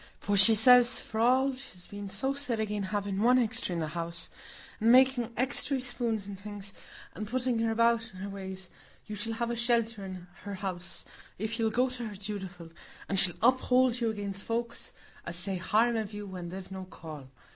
For she says, for all she's been so set again' having one extry in the house, and making extry spoons and things, and putting her about in her ways, you shall have a shelter in her house, if you'll go to her dutiful, and she'll uphold you against folks as say harm of you when they've no call.